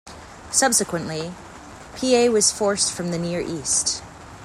Subsequently, Piye was forced from the Near East.